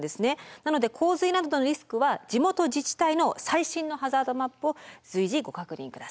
なので洪水などのリスクは地元自治体の最新のハザードマップを随時ご確認ください。